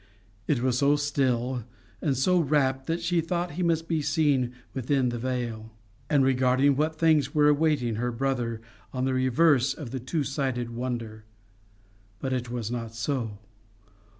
It was so still and so rapt that she thought he must be seeing within the veil, and regarding what things were awaiting her brother on the reverse of the two sided wonder. But it was not so.